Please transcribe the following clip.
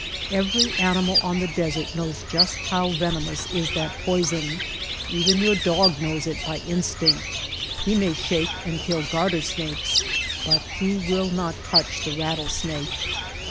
Every animal on the desert knows just how venomous is that poison. Even your dog knows it by in stinct. He may shake and kill garter snakes, but he will not touch the rattlesnake.